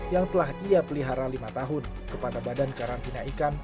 yang telah ia pelihara lima tahun kepada badan karantina ikan